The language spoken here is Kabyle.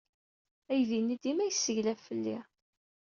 Aydi-nni dima yesseglaf fell-i.